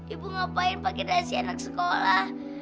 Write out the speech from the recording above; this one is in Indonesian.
ibu ngapain pake dasi anak sekolah